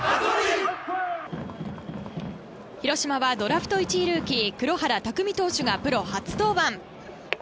広島はドラフト１位ルーキー黒原拓未投手がプロ初登板。